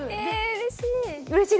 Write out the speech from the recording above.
うれしい。